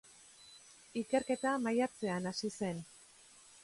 Ikerketa maiatzean hasi zen.